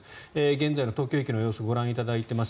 現在の東京駅の様子ご覧いただいています。